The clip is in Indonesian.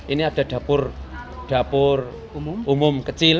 ini ada dapur umum kecil